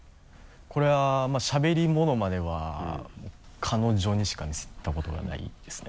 これはしゃべりものまねは彼女にしか見せたことがないですね。